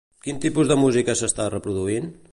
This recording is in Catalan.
Quin tipus de música s'està reproduint?